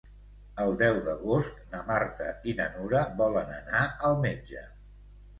El deu d'agost na Marta i na Nura volen anar al metge.